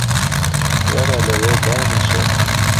وەرە لەوێ دانیشە